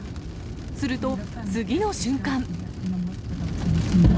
すると、次の瞬間。